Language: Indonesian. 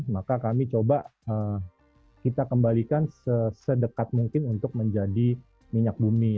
maka kami coba kita kembalikan sedekat mungkin untuk menjadi minyak bumi